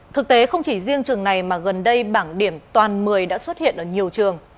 thực tế không chỉ riêng trường này mà gần đây bảng điểm toàn một mươi đã xuất hiện ở nhiều trường